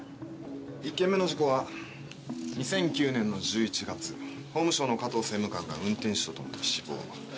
１件目の事故は２００９年の１１月法務省の加藤政務官が運転手と共に死亡。